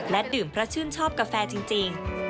ดื่มเพราะชื่นชอบกาแฟจริง